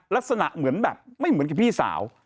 ลักษณะเหมือนแบบไม่เหมือนกับพี่สาว